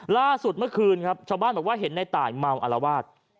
ล่าสุดเมื่อคืนครับชาวบ้านบอกว่าเห็นในตายเมาอารวาส